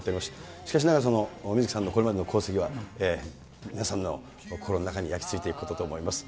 しかしながら、水木さんのこれまでの功績は皆さんの心の中に焼きついていくことと思います。